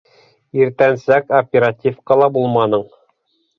Иртәнсәк оперативкала булманың...